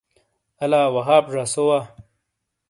الا وہاب زا سو وا۔